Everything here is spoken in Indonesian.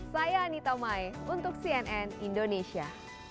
saya anita mai untuk cnn indonesia